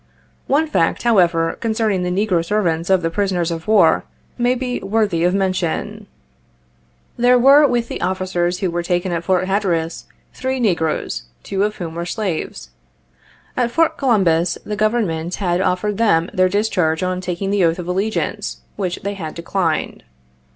One fact, however, concerning the negro servants of the prisoners of war, may be worthy of mention. There were 63 with the officers, who were taken at Fort Hatter as, three negroes, two of whom were slaves. At Fort Columbus the Government had offered them their discharge on taking the oath of allegiance, which they had declined.